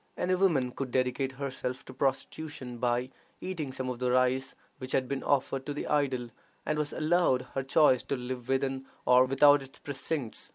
Any woman could dedicate herself to prostitution by eating some of the rice which had been offered to the idol, and was allowed her choice to live within or without its precincts.